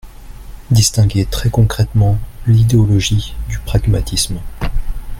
distinguer très concrètement l’idéologie du pragmatisme.